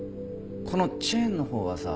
このチェーンのほうはさ